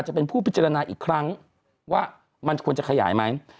จะเป็นผู้พิจารณาอีกครั้งว่ามันควรจะขยายไหม